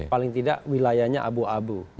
paling tidak wilayahnya abu abu